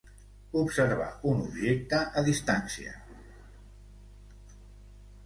Observar un objecte a distància.